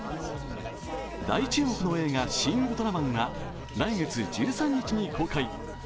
大注目の映画「シン・ウルトラマン」は来月１３日に公開。